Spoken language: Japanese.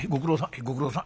「ご苦労さん」。